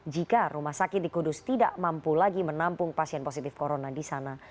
jika rumah sakit di kudus tidak mampu lagi menampung pasien positif corona di sana